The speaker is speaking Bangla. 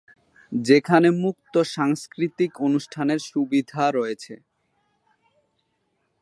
যেখানে মুক্ত সাংস্কৃতিক অনুষ্ঠানের সুবিধা রয়েছে।